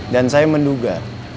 dan saya menduga